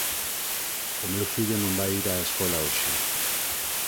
O meu fillo non vai ir á escola hoxe